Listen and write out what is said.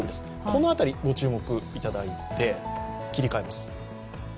この辺りご注目いただいて切り替えます。